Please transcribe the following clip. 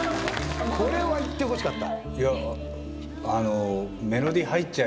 これはいってほしかった。